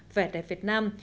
vẻ đẹp việt nam